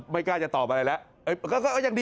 ไม่กล้าจะตอบอะไรแล้ว